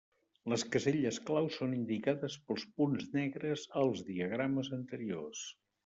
Les caselles clau són indicades pels punts negres als diagrames anteriors.